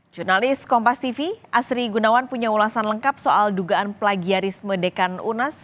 jurnalis kompas tv asri gunawan punya ulasan lengkap soal dugaan plagiarisme dekan unas